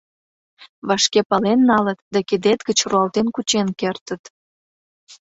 — Вашке пален налыт да кидет гыч руалтен кучен кертыт.